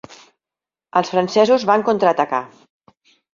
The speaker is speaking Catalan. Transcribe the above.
Els francesos van contraatacar.